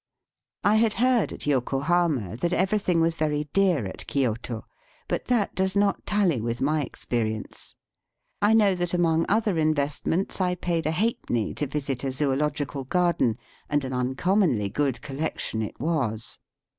I had heard at Yokohama that everything was very dear at Kioto, but that does not tally with my experience. I know that among other investments I paid a halfpenny to visit a Zoological Garden, and an uncommonly good collection it was.